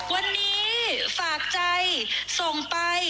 วันนี้ฝากใจส่งไป